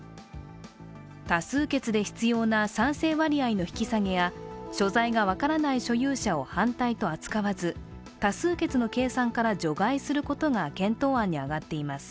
多数決で必要な賛成割合の引き下げや所在が分からない所有者を反対と扱わず多数決の計算から除外することが検討案に上がっています。